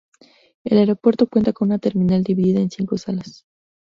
El aeropuerto cuenta con una terminal dividida en cinco salas.